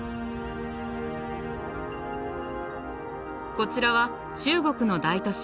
こちらは中国の大都市